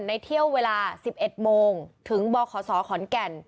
เที่ยวเวลา๑๑โมงถึงบขศขอนแก่น